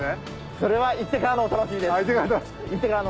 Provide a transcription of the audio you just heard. それは行ってからのお楽しみです。